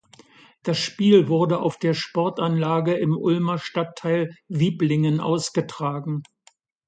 Das Spiel wurde auf der Sportanlage im Ulmer Stadtteil Wiblingen ausgetragen.